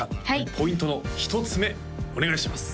ポイントの１つ目お願いします